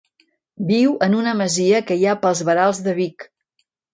Viu en una masia que hi ha pels verals de Vic.